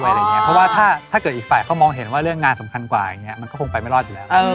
เพราะว่าถ้าเกิดอีกฝ่ายเขามองเห็นว่าเรื่องงานสำคัญกว่าอย่างนี้มันก็คงไปไม่รอดอยู่แล้ว